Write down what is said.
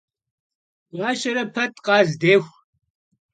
Guaşere pet, khaz dêxu.